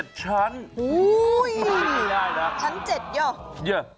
โอ้โฮชั้น๗หรอ